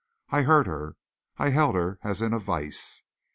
I hurt her. I held her as in a vise.